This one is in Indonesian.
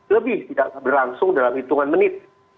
lebih tidak berlangsung dalam hitungan menit